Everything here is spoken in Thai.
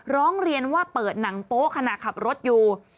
ร้องเรียนว่าเปิดหนังโป๊ะขณะขับรถอยู่